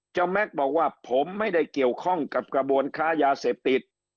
แม็กซ์บอกว่าผมไม่ได้เกี่ยวข้องกับกระบวนค้ายาเสพติด